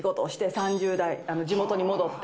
３０代地元に戻って。